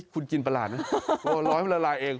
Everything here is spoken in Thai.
คุณกินประหลาดนะรอให้มันละลายเอง